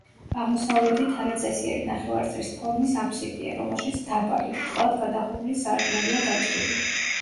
აღმოსავლეთით არაწესიერი ნახევარწრის ფორმის აფსიდია, რომელშიც დაბალი, ბრტყლად გადახურული სარკმელია გაჭრილი.